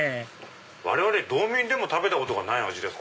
我々道民でも食べたことがない味です